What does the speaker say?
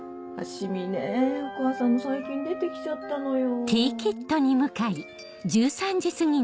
シミねお母さんも最近出てきちゃったのよ。